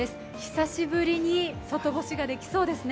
久しぶりに外干しができそうですね。